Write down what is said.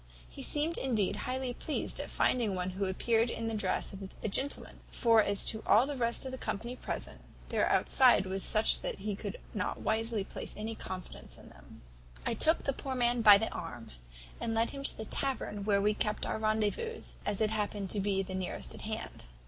He seemed indeed highly pleased at finding one who appeared in the dress of a gentleman; for as to all the rest of the company present, their outside was such that he could not wisely place any confidence in them. "I took the poor man by the arm, and led him to the tavern where we kept our rendezvous, as it happened to be the nearest at hand.